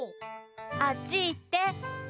あっちいって。